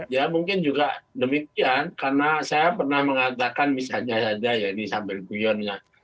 ya mungkin juga demikian karena saya pernah mengatakan misalnya saja ya ini sambil guyon ya